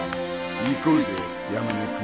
行こうぜ山根君。